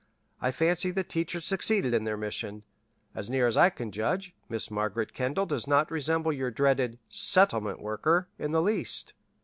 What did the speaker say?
I fancy the teachers succeeded in their mission. As near as I can judge, Miss Margaret Kendall does not resemble your dreaded 'settlement worker' in the least.